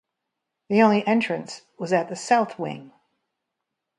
The only entrance was at the south wing.